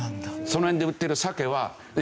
その辺で売ってる鮭は。